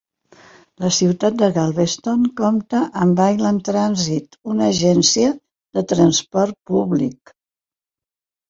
La ciutat de Galveston compta amb Island Transit, una agència de transport públic.